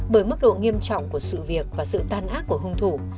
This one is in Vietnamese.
bởi mức độ nghiêm trọng của sự việc và sự tan ác của hung thủ